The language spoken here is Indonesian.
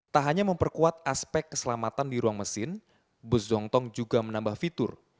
tak hanya memperkuat aspek keselamatan di ruang mesin bus zongtong juga menambah fitur